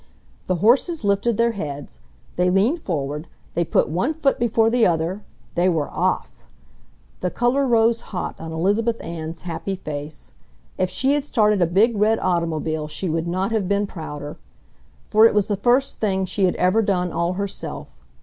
The horses lifted their heads, they leaned forward, they put one foot before the other ... they were off! The color rose hot on Elizabeth Ann's happy face. If she had started a big red automobile she would not have been prouder. For it was the first thing she had ever done all herself